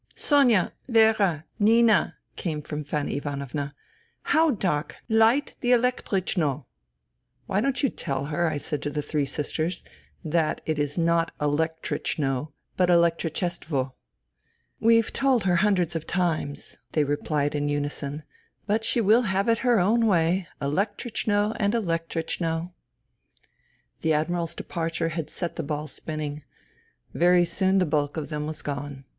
" Sonia ! Vera ! Nina !" came from Fanny Ivan ovna. " How dark ! Light the elektrichno !"" Why don't you tell her," I said to the three sisters, " that it is not ' elektrichno,' but ' elektri chestvo '?"" We've told her himdreds of times," they replied 218 FUTILITY in unison, " but she will have it her own way ' elek trichno ' and ' elektrichno,' *' The Admiral's departure had set the ball spinning. Very soon the bulk of them was gone.